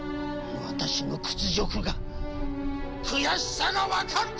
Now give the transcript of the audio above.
私の屈辱が悔しさがわかるか！？